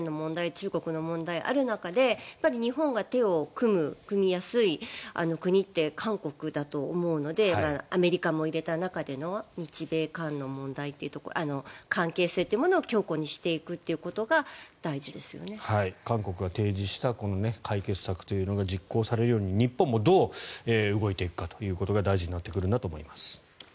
中国の問題がある中で日本が手を組む組みやすい国って韓国だと思うのでアメリカも入れた中での日米韓での関係性を強固にしていくということが韓国が提示した解決策が実行されるように、日本もどう動いていくということが大事になってくるんだと思います。